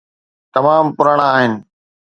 تمام پراڻا آهن.